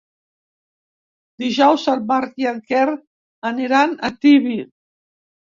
Dijous en Marc i en Quer aniran a Tibi.